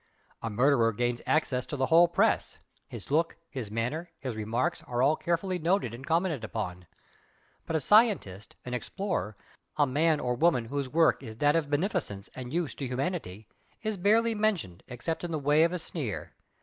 A murderer gains access to the whole press, his look, his manner, his remarks, are all carefully noted and commented upon, but a scientist, an explorer, a man or woman whose work is that of beneficence and use to humanity, is barely mentioned except in the way of a sneer.